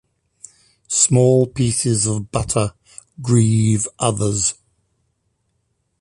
Small pieces of butter grieve others.